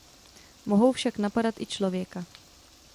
Mohou však napadat i člověka.